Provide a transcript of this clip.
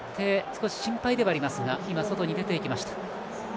少し心配ではありますが外に出て行きました。